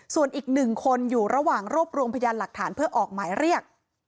ส่วนอีก๑คนอยู่ระหว่างรวบรวมพยานหลักฐานเพื่อออกหมายเรียก